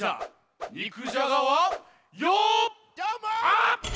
あっ！